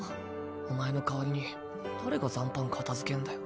お前の代わりに誰が残飯片づけんだよ。